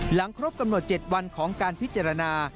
ครบกำหนด๗วันของการพิจารณา